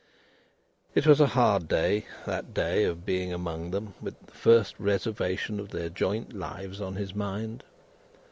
It was a hard day, that day of being among them, with the first reservation of their joint lives on his mind.